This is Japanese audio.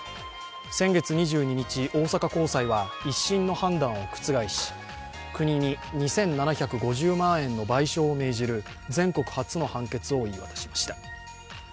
先月２２日、大阪高裁は１審の判断を覆し国に２７５０万円の賠償を命じる賠償を命じる全国初の判決を言い渡しました。